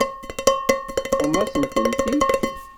Teṭṭfem-as-tent-id.